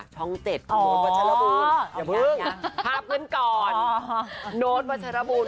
ช่องเจ็ดคุณโน๊ทวัชรบูลอย่าบึงภาพกันก่อนผมโน๊ทวัชรบูล